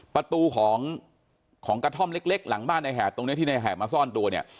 ประตูของกระท่อมเล็กหลังบ้านในแหบตรงนี้ที่ในแหบมาซ่อนตัวเนี่ย